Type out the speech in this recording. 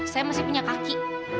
saya masih punya kaki